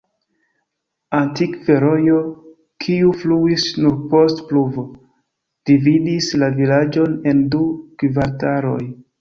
Antikve rojo, kiu fluis nur post pluvo, dividis la vilaĝon en du kvartaloj.